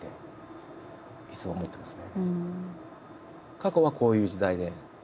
過去はこういう時代で。